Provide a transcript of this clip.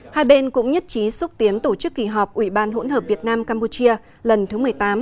hai bên cũng nhất trí xúc tiến tổ chức kỳ họp ủy ban hỗn hợp việt nam campuchia lần thứ một mươi tám